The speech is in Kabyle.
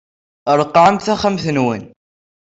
Ṛeqqɛem taxxamt-nwen.